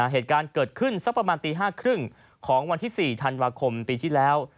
เหตุการณ์เกิดขึ้นสักประมาณตี๕๓๐ของวันที่๔ธันวาคมปีที่แล้ว